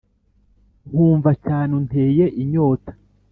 nkumva cyane unteye inyota